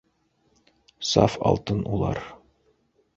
- Саф алтын улар.